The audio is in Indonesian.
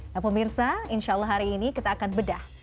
nah pemirsa insya allah hari ini kita akan bedah